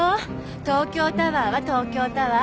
東京タワーは東京タワー。